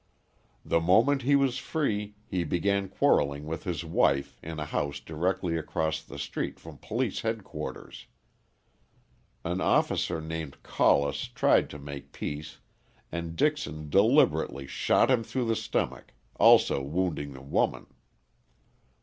The moment he was free he began quarrelling with his "wife," in a house directly across the street from police headquarters. An officer named Collis tried to make peace and Dixon deliberately shot him through the stomach, also wounding the woman.